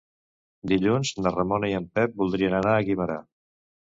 Dilluns na Ramona i en Pep voldria anar a Guimerà.